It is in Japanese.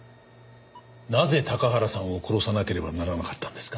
なぜ高原さんを殺さなければならなかったんですか？